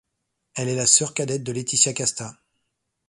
Elle est la sœur cadette de Laetitia Casta.